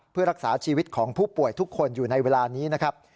เพื่อรักษาชีวิตของผู้ป่วยทุกคนอยู่ในเวลานี้นะครับ